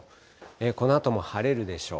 このあとも晴れるでしょう。